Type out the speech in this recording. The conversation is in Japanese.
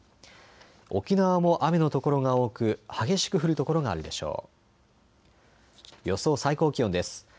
沖縄も雨の所が多く激しく降る所があるでしょう。